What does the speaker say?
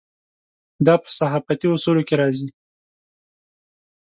دا په صحافتي اصولو کې راځي.